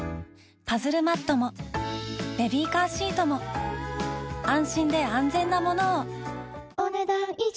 パズルマットもベビーカーシートも安心で安全なものをお、ねだん以上。